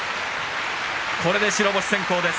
これで、白星先行です。